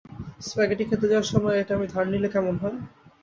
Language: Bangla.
স্প্যাগেটি খেতে যাওয়ার সময় এটা আমি ধার নিলে কেমন হয়?